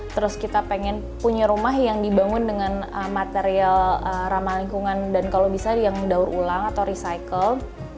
terus kita pengen punya rumah yang dibangun dengan material ramah lingkungan dan kalau bisa yang daur ulang atau recycle